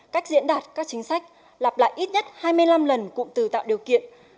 cách diễn đạt các chính sách lặp lại ít nhất hai mươi năm lần cụm từ tạo điều kiện